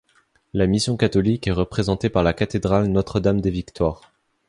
La mission catholique est représentée par la cathédrale Notre Dame des Victoires.